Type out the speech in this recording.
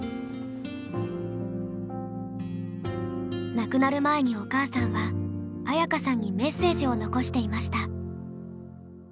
亡くなる前にお母さんは綾華さんにメッセージを残していました。